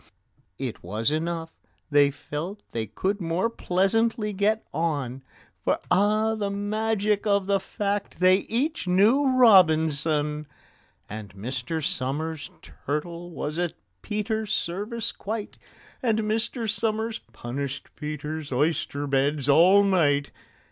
It was enough: they felt they could more pleasantly get on, For (ah, the magic of the fact!) they each knew ROBINSON! And Mr. SOMERS' turtle was at PETER'S service quite, And Mr. SOMERS punished PETER'S oyster beds all night.